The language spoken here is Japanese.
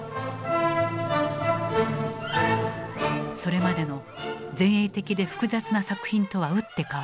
それまでの前衛的で複雑な作品とは打って変わって